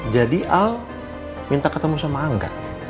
jadi al minta ketemu sama angga